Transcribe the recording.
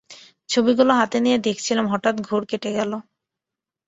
ছবিগুলো হাতে নিয়ে দেখছিলাম, হঠাৎ ঘোর কেটে গেল।